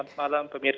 selamat malam pemirsa